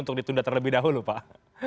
untuk ditunda terlebih dahulu pak